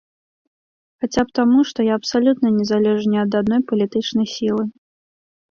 Хаця б таму, што я абсалютна не залежу ні ад адной палітычнай сілы.